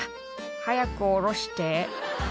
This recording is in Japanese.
「早く下ろして」